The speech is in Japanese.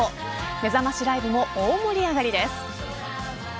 めざましライブも大盛り上がりです。